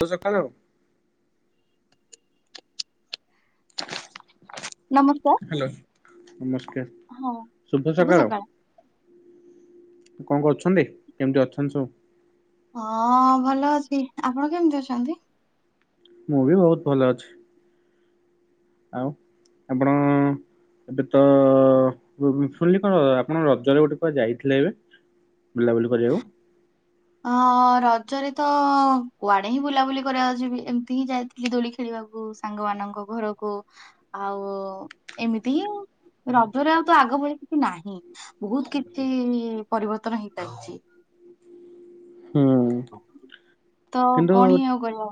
ତୁ ସକାଳୁ ନମସ୍କାର ହ୍ୟାଲୋ ନମସ୍କାର ହଁ ଶୁଭ ସକାଳ। କଣ କରୁଛନ୍ତି କେମିତି ଅଛନ୍ତି ସବୁ? ହଁ ଭଲ ଅଛି ଆପଣ କେମିତି ଅଛନ୍ତି? ମୁଁ ବି ବହୁତ ଭଲ ଅଛି। ଆଉ ଆପଣ ଏବେ ତ ଶୁଣିଲି କଣ ଆପଣ ରଜରେ ଗୋଟେ କୁଆଡେ ଯାଇଥିଲେ ଏବେ? ବୁଲାବୁଲି କରିବାକୁ ଅଁ ରଜରେ ତ କୁଆଡେ ହିଁ ବୁଲାବୁଲି କରିବାକୁ ଯିବି ଏମିତି ହିଁ ଯାଇଥିଲି ଦୋଳି ଖେଳିବା ସାଙ୍ଗ ମାନଙ୍କ ଘରକୁ ଆଉ ଏମିତି ହିଁ ରଜରେ ଆଉ ତ ଆଗ ଭଳି କିଛି ନାହିଁ ବହୁତ କିଛି ପରିବର୍ତନ ହେଇସାରିଛି। ହୁଁଁ। ତ କିନ୍ତୁ କଣ ହିଁ ଆଉ କରିହବ।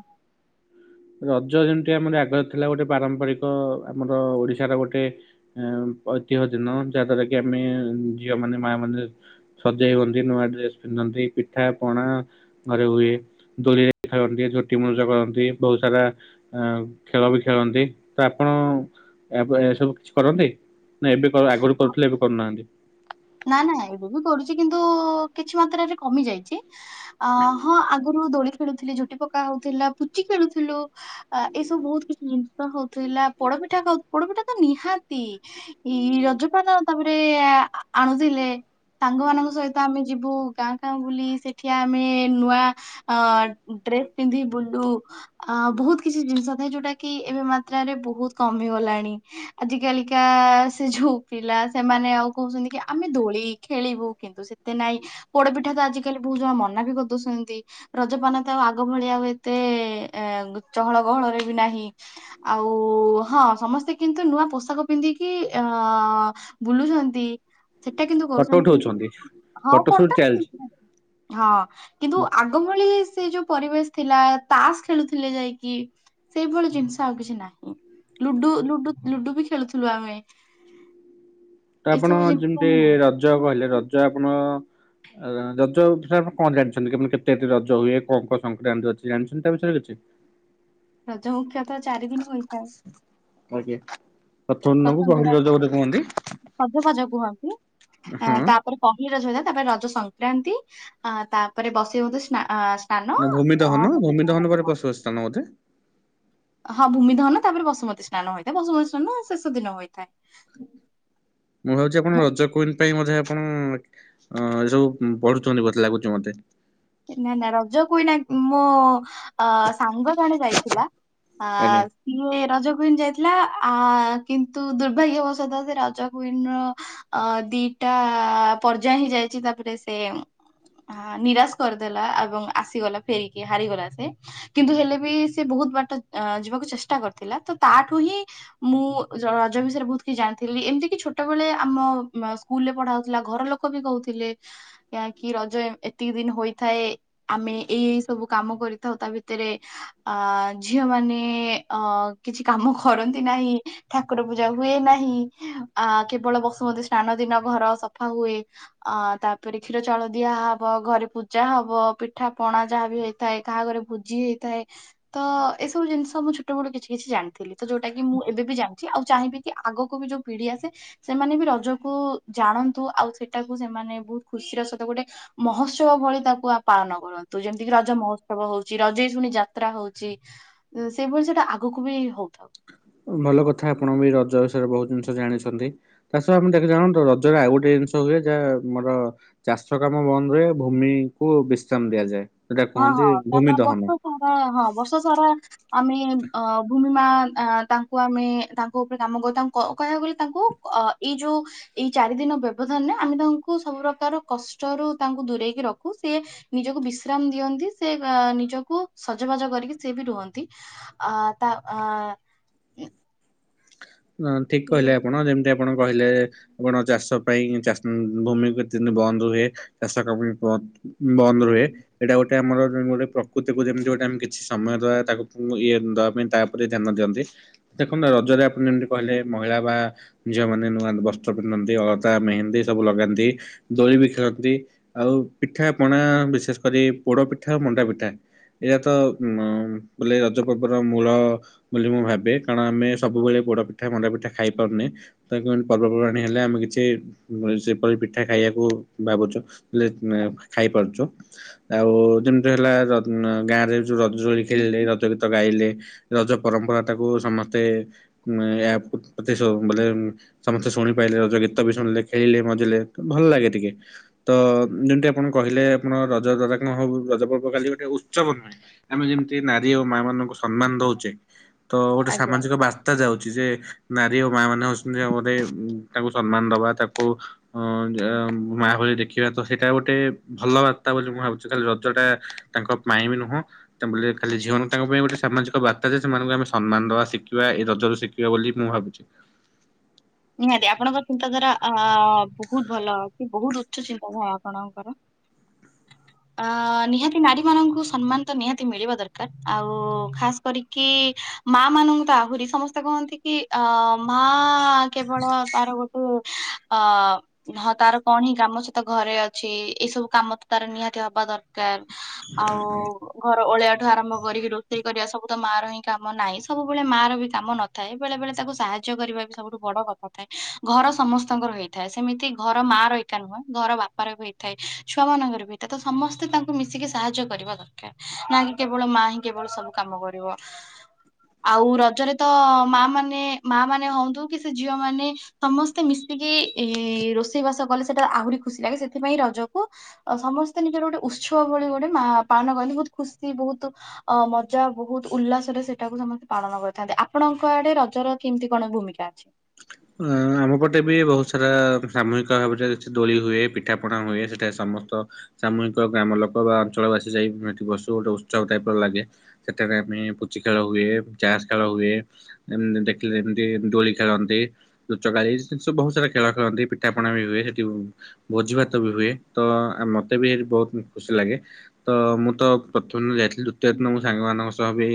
ରଜ ଯେମତି ଆମର ଆଗରେ ଥିଲା ଗୋଟେ ପାରମ୍ପରିକ ଆମର ଓଡିଶାର ଗୋଟେ ଅ ଐତିହ ଦିନ ଯାହା ଦ୍ଵାରା କି ଆମେ ଝିଅ ମାନେ ମା ମାନେ ସଜେଇ ହନ୍ତି ନୂଆ ଡ୍ରେସ ପନ୍ଧ ପନ୍ତି ପିଠା ପଣା ଘରେ ହୁଏ। ଦୋଳିରେ ଖାଳନ୍ତି ଝୋଟି ମୁରୁଜ କରନ୍ତି। ବହୁତ ସାରା ଖେଳ ବି ଖେଳନ୍ତି ତ ଆପଣ ଏ ଏସବୁ କିଛି କରନ୍ତି ନା ଏବେ ଆଗରୁ କରୁଥିଲେ ଏବେ କରୁନାହାନ୍ତି? ନା ନା ଏବେ ବି କରୁଛି କିନ୍ତୁ କିଛି ମାତ୍ରାରେ କମି ଯାଇଛି। ଅ ହଁ ଆଗରୁ ଦୋଳି ଖେଳୁଥିଲି ଝୋଟି ପକା ହଉଥିଲା ପୁଚି ଖେଳୁଥିଲୁ ଏସବୁ ବହୁତ କିଛି ଜିନିଷ ହଉଥିଲା ପୋଡପିଠା ଖାଉ ପୋଡପିଠା ତ ନିହାତି ଏଇ ରଜପାନ ତାପରେ ଆ ଆଣୁଥିଲେ ସାଙ୍ଗମାନାନଙ୍କ ସହିତ ଆମେ ଯିବୁ ଗାଁ ଗାଁ ବୁଲି ସେଠିଆ ଆମେ ନୂଆ ଅ ଡ୍ରେସ ପିନ୍ଧି ବୁଲୁ ବହୁତ କିଛି ଜିନିଷ ଥାଏ ଯୋଉଟା କି ଏବେ ମାତ୍ରାରେ ବହୁତ କମ ହେଇଗଲା ଲାନି ଆଜି କାଲିକା ସେ ଯୋଉ ପିଲା ସେମାନେ ଆଉ କହୁଛନ୍ତି। ଆମେ ଦୋଳି ଖେଳିବୁ କିନ୍ତୁ ସେତେ ନାଇଁ ପୋଡପିଠା ତ ଆଜିକାଲି ବହୁତ ଜଣ ମନା ବି କରିଦଉଛନ୍ତି। ରଜପାନ ତ ଆଉ ଆଗ ଭଳି ଆଉ ଏତେ ଚହଳ ଗହଳରେ ବି ନାହିଁ ଆଉ ଓ ହଁ ସମସ୍ତେ କିନ୍ତୁ ନୂଆ ପୋଷାକ ପିନ୍ଧିକି ଅଅ ବୁଲୁଛନ୍ତି। ସେଟା କିନ୍ତୁ ଫଟୋ କରୁଛନ୍ତି କିନ୍ତୁ ଉଠଉଛନ୍ତି ଫଟୋ ସୁଟ ହଁଟ ଚାଲିଛି ହଁ କିନ୍ତୁ ଆଗ ଭଳି ସେ ଯୋଉ ପରିବେଶ ଥିଲା ତାସ ଖେଳୁଥିଲେ ଯାଇକି ସେଇଭଳି ଜିନିଷ ଆଉ କିଛି ନାହିଁ। ଲୁଡୁ ଲୁଡୁ ଲୁଡୁ ବି ଖେଳୁଥିଲୁ ଆମେ। ତ ଏସବୁ ଆପଣ ଜିନିଷ ଯେମିତି ରଜ କହିଲେ ରଜ ଆପଣ ରଜ ଷରେ ଆପଣ କଣ ଜାଣିଛନ୍ତି? କେତେ ରଜ ହୁଏ? କଣ କଣ ସଂକ୍ରାନ୍ତି ଅଛି ଜାଣିଛନ୍ତି ତା ବିଷୟରେ କିଛି? ରଜ ମୁଖ୍ୟତ ଚାରି ଦିନ ହୋଇଥାଏ। ପ୍ରଥମ ଦିନକୁ ପହିଲି ରଜ ବୋଧେ କୁହନ୍ତି। ହ ହଁ। ତାପରେ ପହିଲି ରଜର ତାପରେ ରଜ ସଂକ୍ରାନ୍ତି ଅ ତାପରେ ବସେଇଉତି ସ୍ ସ୍ନାନ ନା ଭୂମି ଦହନ ଭୂମି ଦହନ ପରେ ଅ ପଶୁ ସ୍ଥାନ ବୋଧେ ହଁ ଭୂମିଦହନ ତାପରେ ବସୁମତୀ ସ୍ନାନ ହୋଇଥାଏ ବସୁମତୀ ସ୍ନାନ ଶେଷ ଦିନ ହୋଇଥାଏ, ମୁଁ ଭାବୁଛି ଆପଣ ରଜ କୁଇନ ପାଇଁ ମଧ୍ୟ ଆପଣ ଅ ଏ ସବୁ ପଢୁଛନ୍ତି ବହୁତ ଲାଗୁଛି ମତେ। ନା ନା ରଜ କୁଇନ ମୋ ଅ ସାଙ୍ଗ ଜଣେ ଯାଇଥିଲା। ଆ ଆଜ୍ଞା। ସିଏ ରଜ କୁଇନ ଯାଇଥିଲା ଆ କିନ୍ତୁ ଦୁର୍ଭାଗ୍ୟବଶତଃ ସେ ରଜ କୁଇନ ର ଅ ଦି ଟା ପର୍ଯ୍ୟାୟ ହେଇ ଯାଇଛି ତାପରେ ସେ ନିରାଶ କରିଦେଲା ଏବଂ ଆସିଗଲା ଫେରିକି ହାରିଗଲା ସେ କିନ୍ତୁ ହେଲେ ବି ସେ ବହୁତ ବାଟ ଯିବାକୁ ଚେଷ୍ଟା କରିଥିଲା ତ ତାଠୁ ହିଁ ମୁଁ ରଜ ବିଷୟରେ ବହୁତ କିଛି ଜାଣିଥିଲି ଏମିତି କି ଛୋଟବେେଳେ ଆମ ସ୍କୁଲରେ ପଢା ହଉଥିଲା ଘର ଲୋକ ବି କହୁଥିଲେ କାକି ରଜ ଏତିକି ଦିନ ହୋଇ ଥାଏ ଆମେ ଏଇ ଏଇ ସବୁ କାମ କରିଥାଉ ତା ଭିତରେ ଆ ଝିଅ ମାନେ ଅ କିଛି କାମ କରନ୍ତି ନାହିଁ ଠାକୁର ପୂଜା ହୁଏ ନାହିଁ ଆ କେବଳ ବସୁ ଶୁ ମତି ସ୍ନାନ ଦିନ ଘର ସଫା ହୁଏ ଅ ତାପରେ କ୍ଷୀର ଚାଉଳ ଦିଆ ହବ ଘରେ ପୂ ଯା ହବ ପିଠା ପଣା ଯାହା ବି ହେଇଥାଏ କାହା ଘରେ ଭୋଜି ହେଇଥାଏ ତ ଏସବୁ ଜିନିଷ ମୁଁ ଛୋଟ ବେଳୁ କିଛି କିଛି ଜାଣିଥିଲି ତ ଯୋଉଟା କି ମୁଁ ଏବେ ବି ଜାଣି ଆଉ ଚାହିଁବି କି ଆଗକୁ ବି ଯୋଉପିଢି ଆସେ ସେମାନେ ବି ରଜ କୁ ଜାଣନ୍ତୁ ଆଉ ସେଟାକୁ ସେମାନେ ବହୁତ ଖୁସିର ସହିତ ଗୋଟେ ମହୋତ୍ସବ ଭଳି ତାକୁ ପାଳନ କରନ୍ତୁ ଯେମିତି ରଜ ମହୋତ୍ସବ ହଉଛି ରଜେଇ ଶୁଣି ଯାତ୍ରା ହଉଛି ସେଇଭଳି ସେଟା ଆଗକୁ ବି ହଉଥାଉ। ଭଲ କଥା ଆପଣ ବି ରଜ ବିଷୟରେ ବହୁତ ଜିନିଷ ଜାଣିଛନ୍ତି। ତା ସହ ଆମ ଦେଖ ଜାଣ ରଜରେ ଆଉ ଗୋଟେ ଜିନିଷ ହୁଏ ଯାହା ଆମର ଚାଷ କାମ ବନ୍ଦ ରୁହେ ଭୂମି କୁ ବିଶ୍ରାମ ଦିଆଯାଏ। ସେଟା ହଁ କୁହନ୍ତି ହଁ ଭୂମି ତା ଦହନ। ବର୍ଷ ସାରା ହଁ ବର୍ଷ ସାରା ଆମେ ଅ ଭୂମି ମା ତାଙ୍କୁ ଆମେ ତାଙ୍କ ଉପରେ କାମ କରୁ ତାଙ୍କୁ କହିବାକୁ ଗଲେ ତାଙ୍କୁ ଅ ଏଇ ଯୋଉ ଏଇ ଚାରିଦିନ ବ୍ୟବଧାନରେ ଆମେ ତାଙ୍କୁ ସବୁ ପ୍ରକାର କଷ୍ଟରୁ ତାଙ୍କୁ ଦୂରେଇକି ର ଖୁ ସିଏ ନିଜକୁ ବିସ ଶ୍ରାମ ଦିଅନ୍ତି ସେ ନିଜକୁ ସଜବାଜ କରିକି ସେି ବି ରୁହନ୍ତି ଆ ତା ଆ ନା ଠିକ କହିଲେ ଆପଣ ଯେମିତି ଆପଣ କହିଲେ ଆପଣ ଚାଷ ପାଇଁ ଚାଷ ଭୂମି କେତେ ଦିନ ବନ୍ଦ ହୁଏ ଚାଷ କାମ ବି ବନ୍ଦ ବନ୍ଦ ରୁହେ ଏଇଟା ଗୋଟେ ଆମର ଗୋଟେ ତାକୁ ଯେମିତି ଗୋଟେ ଆମ କିଛି ସମୟ ଦବା ତାକୁ ଇଏ ଦବା ପାଇଁ ତାପରେ ଧ୍ୟାନ ଦିଅନ୍ତି ଦେଖନ୍ତୁ ରଜ ଆପଣ [inaudible] କହିଲେ ମହିଳା ବା ଝିଅମାନେ ନୂଆ ବସ୍ତ୍ର ପିନ୍ଧନ୍ତି ଅଳତା ମେହେନ୍ଦୀ ସବୁ ଲଗାନ୍ତି ଦ ବି ଖେଳନ୍ତି ଆଉ ପିଠା ପଣା ବିଶେଷ କରି ପୋଡ ପିଠା ମଣ୍ଡା ପିଠା ଏଇରାତ ଉ ବୋଲେ ରଜ ପର୍ବର ମୂଳ ବୋଲି ମୁଁ ଭାବେ କାରଣ ଆମେ ସବୁବେଳେ ପୋଡପି ପିଠା ମଣ୍ଡା ପିଠା ଖାଇ ପାରୁନି ପର୍ବପର୍ବାଣି ହେଲେ ଆମେ କିଛି ସେପରି ପିଠା ଖାଇବାକୁ ଭାବୁଛ ହେ ଖାଇପାରୁଛୁ ଆଉ ଯେମିତି ହେଲା ଗାଁରେ ଯୋଉ ରଜ ଦୋଳି ଖେଳିଲେ ରଜ ଗୀତ ଗାଇଲେ ରଜ ପରମ୍ପରା ତାକୁ ସମସ୍ତେ ମେଁ ବ ମାନେ ସମସ୍ତେ ଶୁଣିପାରିଲେ ରଜ ଗୀତ ବି ଶୁଣିଲେ ଖେଳିଲେ ମଜିଲେ ଭଲ ଲାଗେ ଟି େ ତ ଯେମତି ଆପଣ କହିଲେ ଆପଣ ରଜ ରଜା କଣ ହ ରଜ ପର୍ବ କାଲି ଗୋଟେ ଉତ୍ସବ ନୁହେଁ ଆମେ ଯେମିତି ନାରୀ ଓ ମା ମାନଙ୍କୁ ସମ୍ମାନ ଦଉଛଚେ ତ ଗୋଟେ ଆଜ୍ଞା ସାମାଜିକ ବାର୍ତ୍ତା ଯାଉଛି ଯେ ନାରୀ ଓ ମା ମାନେ ହଉଛନ୍ତି ଗୋଟେ ତାଙ୍କୁ ସମ୍ମାନ ଦବା ତାକୁ ଅ ଯା ଅଂ ମା ଭଳି ଦେଖିବା ତ ସେଇଟା ଗୋଟେ ଭଲ ବାର୍ତ୍ତା ବୋଲି ମୁଁ ଭାବୁଛି ଖାଲି ରଜଟା ତାଙ୍କ ପାଇଁ ବି ନୁହଁ ତା ଖାଲି ଝିଅଙ୍କ ତାଙ୍କ ପାଇଁ ଗୋଟେ ସାମାଜିକ ବାର୍ତ୍ତା ଯେ ସେମାନଙ୍କୁ ଆମେ ସମ୍ମାନ ଦବା ଶିଖିବା ଏ ରଜରୁ ଶିଖିବା ବୋଲି ମୁଁ ଭାବୁଚି ନିହାତି ଆପଣଙ୍କର ଚିନ୍ତାଧାରା ଅ ବହୁତ ଭଲ ଅଛି ବହୁତ ଉଚ୍ଚ ଚିନ୍ତାଧାରା ଆପଣଙ୍କର। ଅ ନିହାତି ନାରୀ ମାନଙ୍କୁ ସମ୍ମାନ ତ ନିହାତି ମିଳିବା ଦରକାର ଆଉ ଖାସ କରିକି ମା ମାନଙ୍କୁ ତ ଆହୁରି ସମସ୍ତେ କହନ୍ତି କି ଅ ମା କେବଳ ତାର ଗୋ ହୁଁ ଆ ହଁ ତାର କଣ ହିଁ କାମ ସେ ତ ଘରେ ଅଛି ଏଇ ସବୁ କାମ ତ ତାର ନିହାତି ହବା ଦରକାର। ଆଉ ଘ ଅଳିଆ ଠୁ ଆରମ୍ଭ କରିକି ରୋଷେଇ କରିବା ସବୁ ତ ମା ର ହିଁ କାମ ନାହିଁ ସବୁବେଳେ ମା ର ବି କାମ ନଥାଏ ବେଳେ ବେଳେ ତାକୁ ସାହାଯ୍ୟ କରିବା ବି ସବୁଠୁ ବଡ କଥା ଥାଏ ଘର ସମସ୍ତଙ୍କର ହେଇଥାଏ ସେମିତି ଘର ମା ରହି ଏକା ନୁହେଁ ଘର ବାପା ର ବି ହେଇଥାଏ। ଛୁଆ ମାନଙ୍କର ଭିତରେ ତ ସମସ୍ତେ ତାଙ୍କୁ ମିଶିକି ସାହାଯ୍ୟ କରିବା ଦରକାର ନା କି କେବଳ ମା ହିଁ କେବଳ ସବୁ କାମ କରିବ ଆଉ ରଜରେ ତ ମା ମାନେ ମା ମାନେ ହଅନ୍ତୁ କି ସେ ଝିଅ ମାନେ ସମସ୍ତେ ମିଶିକି ଏ ରୋଷେଇବାସ କଲେ ସେଟା ଆହୁରି ଖୁସି ଲାଗେ ସେଥିପାଇଁ ରହିକି ଜୋଗୁଁ ଅ ସମସ୍ତେ ନିଜର ଗୋଟେ ଉତ୍ସବ ଭଳି ଗୋଟେ ମା ପାଳନ କନ୍ତି ବହୁତ୍ ଖୁସି ବହୁତ୍ ଅ ମଜା ବହୁତ ଉଲ୍ଲାସରେ ସେଇଟାକୁ ସମସ୍ତେ ପାଳନ କରିଥାନ୍ତି। ଆପଣଙ୍କ ଆଡ଼େ ରଜର କେମିତି କଣ ଭୂମିକା। [inaudible] ଅ ଆମ ପଟେ ବି ବହୁତ ସାରା ସାମୁହିକ ଭାବରେ ଦୋଳି ହୁଏ ପିଠା ପଣା ହୁଏ ସେଠାରେ ସମ୍ ସମସ୍ତ ସାମୁହିକ ଗ୍ରାମ ଲୋକ ବା ଅଞ୍ଚଳ ବାସୀ ଯାଇ ଏଠି ବସୁ ଗୋଟେ ଉତ୍ସବ ଟାଇପ୍ର ଲାଗେ। ସେଠାରେ ଆମେ ପୁଚି ଖେଳ ହୁଏ ଚାସ୍ ଖେଳ ହୁଏ। ଉଁ ଦେଖିଲେ ଯେମତି ଦୋଳି ଖେଳନ୍ତି। ଲୁଚକାଳି ସ ସବୁ ବହୁତ ସାରା ଖେଳ ଖେଳନ୍ତି। ପିଠାପଣା ବି ହୁଏ ସେଠି ଭୋଜି ଭାତ ବି ହୁଏ। ତ ମତେ ବି ବହୁତ ଖୁସି ଲାଗେ ତ ମୁଁ ତ ପ୍ରଥମେ ଯାଇଥି ଦ୍ଵିତୀୟ ଦିନ ମୁଁ ସାଙ୍ଗମାନଙ୍କ ସହ ବି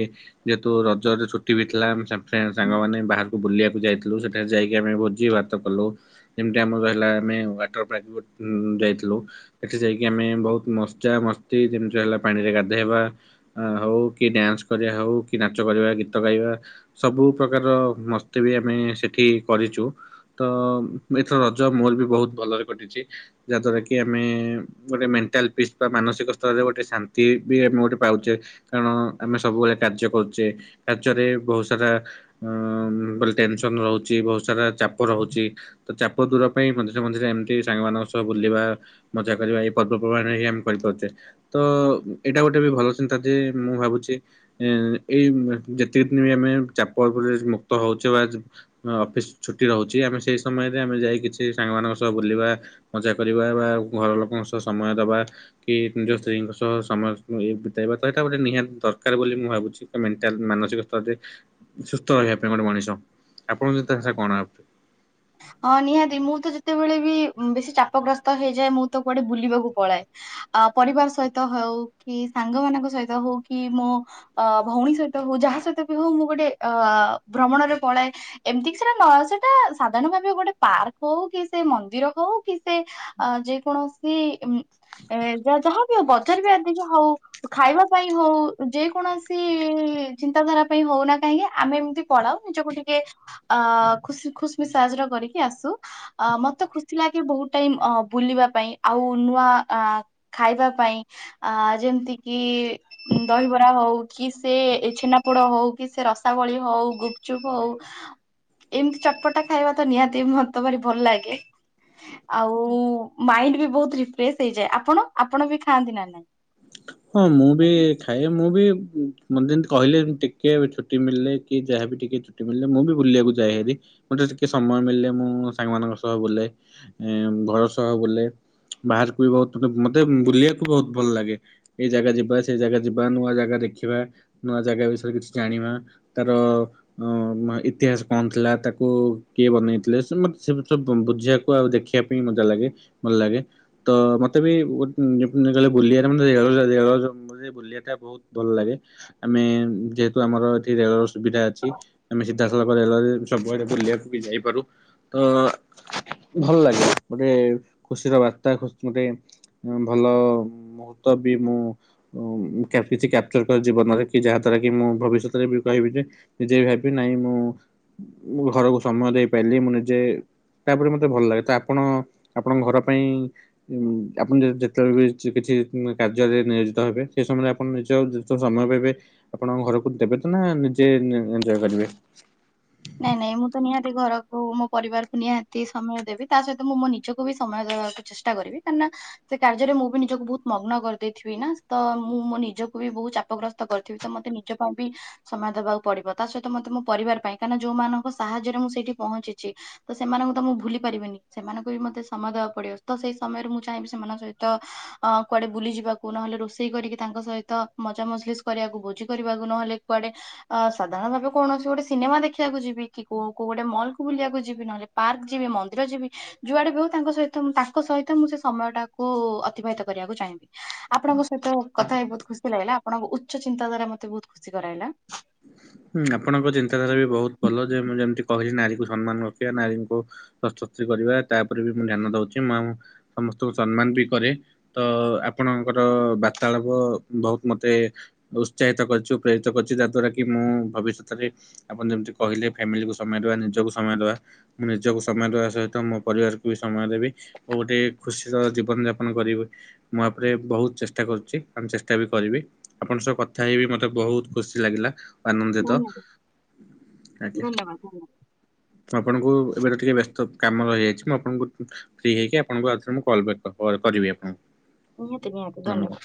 ଯେହେତୁ ରଜରେ ଛୁଟି ବି ଥିଲା। ସାଙ୍ଗମାନେ ବାହାର୍ ବୁଲିବାକୁ ଯାଇଥିଲୁ ସେ ସେ ଯାଇକି ଆମେ ଭୋଜି ଭାତ କଲୁ ଯେମିତି ଆମର ରହିଲା ଆମେ ୱାଟର ପାର୍କକୁ ଯାଇଥିଲୁ। ସେଠି ଯାଇକି ଆମେ ବହୁତ ମସ୍ତା ମସ୍ତି ଯେମିତି ହେଲା ପାଣିରେ ଗାଧେଇବା ଆଉ କି ଡ୍ୟାନ୍ସ କରିବା ହେଉ କି ନାଚ କରିବା ଗୀତ ଗାଇବା ସବୁ ପ୍ରକାର ମସ୍ତି ବି ଆମେ ସେ ଏଠି କରିଛୁ ତ ଏଥର ରଜ ମୋର ବି ବହୁତ ଭଲରେ କଟିଛି ଯାହାଦ୍ଵାରା କି ଆମେ ଆମେ ଗୋଟେ ମେଣ୍ଟାଲ ପିସ୍ ବା ମାନସିକ ସ୍ତରରେ ଗୋଟେ ଶାନ୍ତି ବି ଆମେ ଗୋଟେ ପାଉଚେ କାରଣ ଆମେ ସବୁବେଳେ କାର୍ଯ୍ୟ କରୁଛେ କାର୍ଯ୍ୟରେ ବହୁତ ସାରା ବ ଟେନସନ ରହୁ ବହୁତ ସାରା ଚାପ ରହୁଛି। ତ ଚାପ ଦୂର ପାଇଁ ମଝିରେ ମଝିରେ ଏମିତି ସାଙ୍ଗମାନଙ୍କ ସହ ବୁଲିବା ମଜା କରିବା ଏଇ ପର୍ବପର୍ବାଣରେ ହିଁ ଆମେ କରିପାରୁଛେ। ତ ଏଇଟା ଗୋଟେ ବି ଭଲ ଚିନ୍ତା ଯେ ମୁଁ ଭାବୁ ଚି ଏଇ ଯେତିକି ଦିନ ବି ଆମେ ଚାପ ଉପ ଉପରେ ମୁକ୍ତ ହଉଛେ ବା ଅଫିଶ୍ ଛୁଟି ରହୁଛି ଆମେ ସେଇ ସମୟରେ ଆମେ ଯାଇ କିଛି ସାଙ୍ଗମାନଙ୍କ ସହ ବୁଲିବା ମଜା କରିବା ବା ଘର ଲୋକଙ୍କ ସହ ସମୟ ଦବା କି ନିଜ ସ୍ତ୍ରୀଙ୍କ ସହ ସମୟ ବିତେଇବା ତ ଏଟା ଗୋଟେ ନିହାତି ଦରକାର ବୋଲି ମୁଁ ଭାବୁଛି ମେଣ୍ଟାଲ ମାନସିକ ସ୍ତରରେ ସୁସ୍ଥ ରହିବା ପାଇଁ ଗୋଟେ ମଣିଷ। ଆପଣ ତାଙ୍କ କଣ ଆ ହଁ ନିହାତି ମୁଁ ତ ଯେତେବେଳେ ବି ବେଶୀ ଚାପଗ୍ରସ୍ତ ହେଇଯାଏ ମୁଁ ତ କୁଆଡେ ବୁଲିବାକୁ ପଳାଏ। ଆ ପରିବାର ସହିତ ହୋଉ କି ସାଙ୍ଗ ମାନଙ୍କ ସହିତ ହୋଉ କି ମୋ ଅ ଭଉଣୀ ସହିତ ହୋଉ ଯାହା ସହିତ ବି ହୋଉ ମୁଁ ଗୋଟେ ଅ ଭ୍ରମଣରେ ପଳାଏ ଏମିତି କି ସେଟା ନ ସେଟା ସାଧାରଣ ଭାବେ ଗୋଟେ ପାର୍କ ହଉ କି ସେ ମନ୍ଦିର ହଉ କି ସେ ଯେ କୌଣସି ଏ ଯା ଯାହାବି ହଉ ବଜାର ବି ଆଧିକ ହୋଉ ଖାଇବା ପାଇଁ ହୋଉ ଯେ କୌଣସି ଚିନ୍ତାଧାରା ପାଇଁ ହଉନା କାହିଁକି ଆମେ ଏମିତି ପଳାଉ ନିଜକୁ ଟିକେ ଅ ଖୁସି ଖୁଶ୍ ସାହାଯ୍ୟ କରିକି ଆସୁ ଆ ମତେ ଖୁସି ଲାଗେ ବହୁତ ଆ ଟାଇମ୍ ବୁଲିବା ପାଇଁ ଆଉ ନୂଆ ଆ ଖାଇବା ପାଇଁ ଆ ଯେମ୍ ତି କି ଦହିବରା ହଉ କି ସେ ଛେନାପୋଡ ହଉ କି ସେ ରସାବଳି ହଉ ଗୁପଚୁପ ହଉ ଏମିତି ଚଟ୍ପଟା ଖାଇବା ତ ନିହାତି ମତେ ଭାରି ଭଲ ଲାଗେ। ଆଉ ମାଇଣ୍ଡ ବି ବହୁତ ରିଫ୍ରେଶ ହେଇଯାଏ। ଆପଣ ଆପଣ ବି ଖାଆନ୍ତି ନା ନାଇଁ? ହଁ ମୁଁ ବି ଖାଏ ମୁଁ ବି ମତେ ଯେମିତି କହିଲେ ଟିକେ ଛୁଟି ମିଳିଲେ କି ଯାହାବି ଟିକେ ଛୁଟି ମିଳିଲେ ମୁଁ ବି ବୁଲିବାକୁ ଯାଏ ହାରି ମୋତେ ଟିକେ ସମୟ ମିଳିଲେ ମୁଁ ସାଙ୍ଗମାନାନଙ୍କ ସହ ବୁଲେ ଉଁ ଘର ସହ ବୁଲେ। ବାହାରକୁ ବି ବହୁତ୍ ମତ୍ ମତେ ବୁଲିଆକୁ ବହୁତ ଭଲ ଲାଗେ। ଏଇ ଜାଗା ଯିବା, ସେଇ ଜାଗା ଯିବା, ନୂଆ ଜାଗା ଦେଖିବା, ନୂଆ ଜାଗା ବିଷୟରେ କିଛି ଜାଣିବା। ତାର ଅଁ ଇତିହାସ କଣ ଥିଲା? ତାକୁ କିଏ ବନେଇଥିଲେ? ସେ ମତେ ସେ ସବୁ ବୁଝିବାକୁ ଆଉ ଦେଖିବା ପାଇଁ ମଜା ଲାଗେ। ଭଲ ଲାଗେ। ତ ମତେ ବି [unintelligible] ବୁଲିବାର ମତେ ରେଳ ଯା ରେଳ ଜମ୍ ରେ ବୁଲିବା ଟା ବହୁତ ଭଲ ଲାଗେ। ଆମେ ଯେହେତୁ, ଆମର ଏଠି ରେଳର ସୁ ସୁବିଧା ଅଛି। ଆମେ ସିଧାସଳଖ ରେଳରେ ସବୁଆଡ଼େ ବୁଲିବାକୁ ବି ଯାଇପାରୁ ତ ଭଲ ଲାଗେ। ଗୋଟେ ଖୁସିର ବାର୍ତା ଖସ ମୋଁଟେ ଭଲ-ଅ ମୁହୂର୍ତ୍ତବ। ବି ମୁଁ କ୍ୟାପିଚି କ୍ୟାପଚର କରେ ଜୀବନରେ, କି ଯାହା ଦ୍ଵାରା କି ମୁଁ ଭବିଷ୍ୟତରେ ବି କହିବି ଯେ ନିଜେ ବି ଭାବି ନାଇଁ। ମୁଁ ଘରକୁ ସମୟ ଦେଇପାରିଲି ମୁଁ ନିଜେ ତାପରେ ମତେ ଭଲ ଲାଗେ। ତ ଆପଣ ଆପଣଙ୍କ ଘର ପାଇଁ ଆପଣ ଯେ -ଯେତେବେଳେ ବି କିଛି କିଛି କାର୍ଯ୍ୟରେ ନିୟୋଜିତ ହେବେ। ସେ ସମୟରେ ଆପଣ ନିଜ ଯେତେ ସମୟ ପାଇବେ, ଆପଣ ଘରକୁ ଦେବେ ତ ନା ନିଜେ ଦିନେ ଏନ୍ ଜଏ କରିବେ। ନାଇଁ, ନାଇଁ ମୁଁ ତ ନିହାତି ଘରକୁ ମୋ ପରିବାରକୁ ନିହାତି ସମୟ ଦେବି। ତା ସହିତ ମୁଁ ମୋ ନିଜକୁ ବି ସମୟ ଦବାକୁ ଚେଷ୍ଟା କରିବି। କାଇଁନା ସେ କାର୍ଯ୍ୟରେ ମୁଁ ବି ନିଜକୁ ବହୁତ ମଗ୍ନ କରିଦେଇଥିବି ନା, ସେତ ମୁଁ ମୋ ନିଜ କୁ ବି ବହୁତ ଚାପଗ୍ରସ୍ତ କରିଥିବି। ତ ମୋତେ ନିଜ ପାଇଁ ବି ସମୟ ଦେବାକୁ ପଡିବ। ତା ସହିତ ମତେ ମୋ ପରିବାର ପାଇଁ। କାଇଁନା ଯୋଉ ମାନଙ୍କ ସାହାଯ୍ୟରେ, ମୁଁ ସେଇଠି ପହଁଞ୍ଚିଚି। ତ ସେମାନଙ୍କୁ ତ ମୁଁ ଭୁଲି ପାରିବିନି। ସେମାନଙ୍କୁ ବି ମତେ ସମୟ ଦ ଦବାକୁ ପଡିବ। ତ ସେଇ ସମୟରେ ମୁଁ ଚାହିଁବି ସେମାନଙ୍କ ସହିତ ଅଁ କୁଆଡେ ବୁଲିଯିବାକୁ ନହେଲେ ରୋଷେଇ କରିକି ତାଙ୍କ ସହ ତ ମଜା ମଜ୍ ଲିସ କରିବାକୁ ଭୋଜି କରିବାକୁ ନହେଲେ କୁଆଡେ ଅ ସାଧାରଣ ଭାବେ କୌଣସି ଗୋଟେ ସିନେମା ଦେ ଖିବାକୁ ଯିବି। କି କୋଉ କୋଉ ଗୋଟେ ମଲ୍ କୁ ବୁିଲିବାକୁ ଯିବି ନହେଲେ ପାର୍କ ଯିବି, ମନ୍ଦିର ଯିବି, ଯୁଆଡେ ବି ହଉ, ତାଙ୍କ ସହିତ ତ ମୁଁ ତାଙ୍କ ସହିତ ମୁଁ ସେ ସମୟ ଟାକୁ ଅତିବାହିତ କରିବାକୁ ଚାହିଁବି। ଆପଣଙ୍କ ସହିତ କଥା ହେଇ ବହୁତ ଖୁ ଖୁସି ଲାଗିଲା। ଆପଣଙ୍କ ଉଚ୍ଚ ଚିନ୍ତା ଧାରା ମତେ ବହୁତ ଖୁସି କରାଇଲା। ହୁଁ, ଆପଣଙ୍କ ଚିନ୍ତାଧାରା ବି ବହୁତ ଭଲ ଯେ ମୁଁ ଜା ଯେମତି କହିଲି ନାରୀକୁ ସମ୍ମାନ ରଖିବା, ନାରୀଙ୍କୁ ଶସକ୍ତି କରିବା, ତାପରେ ବି ମୁଁ ଧ୍ୟାନ ଦଉଚି ମୁଁ ଆଉ ସମସ୍ତଙ୍କୁ ସମ୍ମାନ ବି କରେ। ତ ଆପଣଙ୍କର ବାର୍ତ୍ତାଳାପ ବହୁତ ମତେ ଉତ୍ସାହିତ କରିଚୁ, ପ୍ରେରିତ କରୁଚି, ଯାହାଦ୍ଵାରା କି ମୁଁ ଭବିଷ୍ୟତରେ ଆପଣ ଯେମିତି କହିଲେ, ଫ୍ୟାମିଲି କୁ ସମୟ ଦେବା, ନିଜକୁ ସମୟ ଦବା, ମୁଁ ନିଜକୁ ସମୟ ଦବା ସହିତ, ମୋ ପରିବାରକୁ ବି ସମୟ ଦେବି ଓ ଗୋଟେ ଖୁସିର ଜୀବନ ଯାପନ କରିବି। ମୁଁ ଆପରେ ରେ ବହୁତ ଚେଷ୍ଟା କରୁଚି! ଆଉ ମୁଁ ଚେଷ୍ଟା ବି କରିବି! ଆପଣଙ୍କ ସହ କଥା ହେଇବି ମତେ ବହୁତ ଖୁସି ଲାଗିଲା। ଆନନ୍ଦିତ। ଧନ୍ୟବାଦ ଆଜ୍ଞା। ଧନ୍ୟବାଦ ଧନ୍ୟବାଦ। ମୁଁ ଆପଣଙ୍କୁ ଏବେତ ଟିକେ ବେସ୍ତ କାମ ରହିଯାଇଚି। ମୁଁ ଆପଣଙ୍କୁ-କୁ ଫ୍ରି ହେଇକି ଆପଣଙ୍କୁ ଆଉଥରେ ମୁଁ କଲ ବ୍ୟାକ୍ କ-କରିବି ଆପଣଙ୍କୁ। ନିହାତି ନିହାତି ଧନ୍ୟବାଦ।